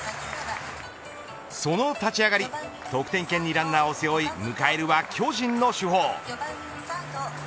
その立ち上がり得点圏にランナーを背負い迎えるは巨人の主砲。